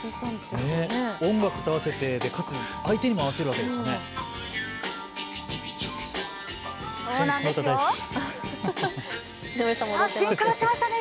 音楽と合わせて、かつ相手にも合わせるわけですね。